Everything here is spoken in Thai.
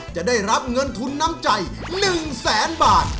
จะได้รับเงินทุนน้ำใจ๑แสนบาท